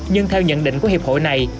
nhưng theo nhận định của hiệp hội này